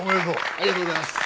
ありがとうございます。